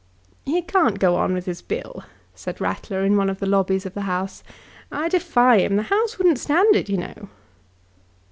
"He can't go on with his Bill," said Rattler in one of the lobbies of the House. "I defy him. The House wouldn't stand it, you know."